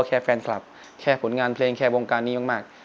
แชร์แฟนคลับแชร์ผลงานเพลงแชร์วงการนี้มาก